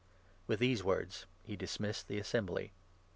With these words he dismissed the Assembly.